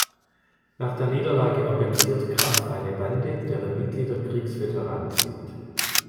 Nach der Niederlage organisiert Graff eine Bande, deren Mitglieder Kriegsveteranen sind.